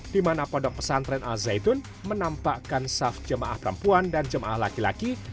di mana pondok pesantren al zaitun menampakkan saf jemaah perempuan dan jemaah laki laki